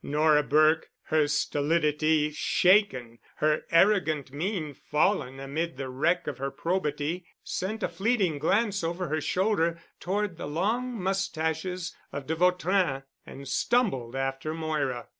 Nora Burke, her stolidity shaken, her arrogant mien fallen amid the wreck of her probity, sent a fleeting glance over her shoulder toward the long mustaches of de Vautrin and stumbled after Moira.